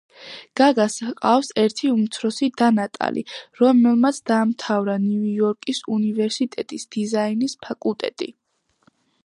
გაგას ჰყავს ერთი უმცროსი და ნატალი, რომელმაც დაამთავრა ნიუ-იორკის უნივერსიტეტის დიზაინის ფაკულტეტი.